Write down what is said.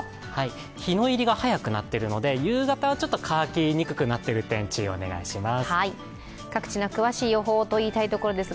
日の入りが早くなってるので夕方は乾きにくくなってる点注意をお願いします。